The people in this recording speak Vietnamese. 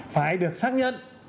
phải được xác nhận